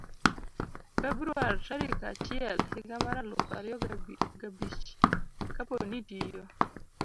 februar tarik achiel higa mar aluf ariyo ga bich. kapo ni itiyo